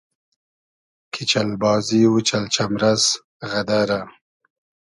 کی چئل بازی و چئل چئمرئس غئدئرۂ